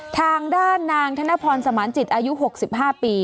ทางด้านนางธนพรสมานจิตอายุ๖๕ปี